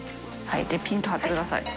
はいでピンと張ってください。